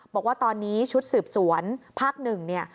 บอกว่าตอนนี้ชุดสืบสวนภักดิ์๑เนี่ย